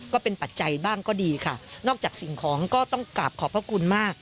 ปัจจัยบ้างก็ดีค่ะนอกจากสิ่งของก็ต้องกลับขอบพระคุณมาก